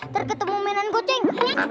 terketemu menan goceng